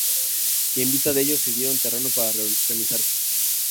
Y en vista de ello cedieron terreno para reorganizarse.